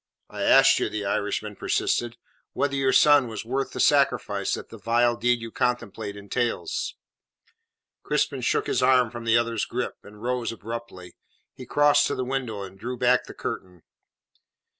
"I asked you," the Irishman persisted, "whether your son was worth the sacrifice that the vile deed you contemplate entails?" Crispin shook his arm from the other's grip, and rose abruptly. He crossed to the window, and drew back the curtain.